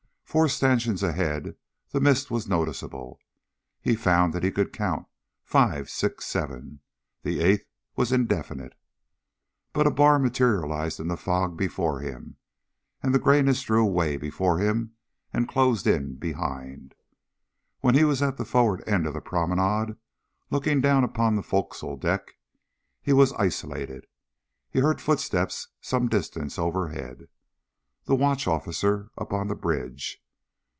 Four stanchions ahead, the mist was noticeable. He found that he could count five, six, seven.... The eighth was indefinite. But a bar materialized in the fog before him, and the grayness drew away before him and closed in behind. When he was at the forward end of the promenade, looking down upon the forecastle deck, he was isolated. He heard footsteps some distance overhead. The watch officer up on the bridge.